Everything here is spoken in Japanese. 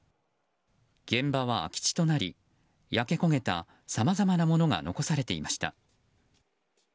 現場は空き地となり焼け焦げたさまざまなものが残されていました。